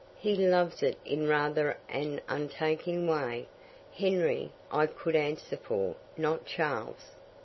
He loves it in rather an untaking way. Henry I could answer for not Charles."